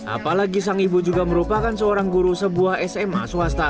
apalagi sang ibu juga merupakan seorang guru sebuah sma swasta